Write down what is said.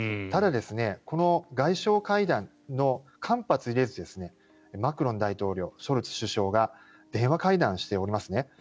ただ、この外相会談の間髪入れずマクロン大統領、ショルツ首相が電話会談しておりますね。